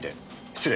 失礼。